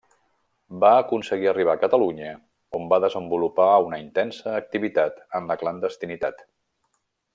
Va aconseguir arribar a Catalunya, on va desenvolupar una intensa activitat en la clandestinitat.